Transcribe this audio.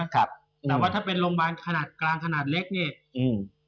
ครับแต่ว่าถ้าเป็นโรงพยาบาลขนาดกลางขนาดเล็กนี่อืม